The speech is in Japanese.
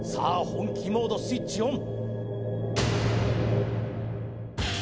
本気モードスイッチオン